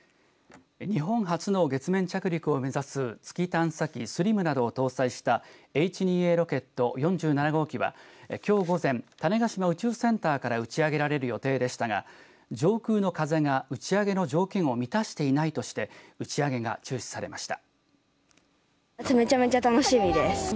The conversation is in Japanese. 日本初の月面着陸を目指す月探査機ＳＬＩＭなどを搭載したＨ２Ａロケット４７号機はきょう午前種子島宇宙センターから打ち上げられる予定でしたが上空の風が打ち上げの条件を満たしていないとして打ち上げが中止されました。